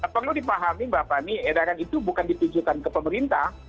perlu dipahami bapak edaran itu bukan ditujukan ke pemerintah